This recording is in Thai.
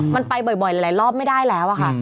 มันไปบ่อยหลายรอบไม่ได้แล้วค่ะ